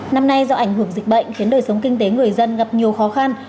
năm nay do ảnh hưởng dịch bệnh khiến đời sống kinh tế người dân gặp nhiều khó khăn